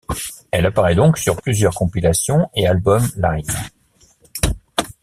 Elle apparaît donc sur plusieurs compilations et albums live.